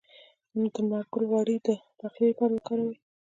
د لمر ګل غوړي د پخلي لپاره وکاروئ